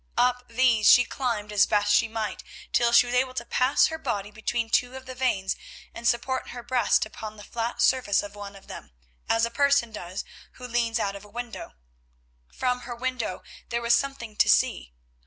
Up these she climbed as best she might, till she was able to pass her body between two of the vanes and support her breast upon the flat surface of one of them, as a person does who leans out of a window. From her window there was something to see.